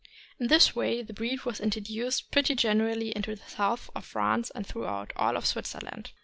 In this way the breed was introduced pretty generally into the south of France and throughout all of Switzerland.